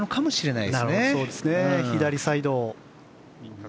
そうですね、左サイド。